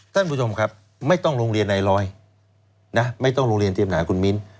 ท่านผู้ชมครับไม่ต้องโรงเรียนในร้อยนะไม่ต้องโรงเรียนเตรียมหนาคุณมิ้น